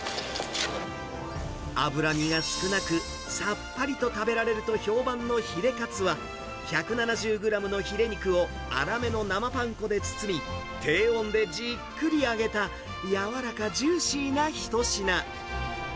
脂身が少なく、さっぱりと食べられると評判のヒレかつは、１７０グラムのヒレ肉を粗めの生パン粉で包み、低温でじっくり揚げたやわらかジューシーな一品。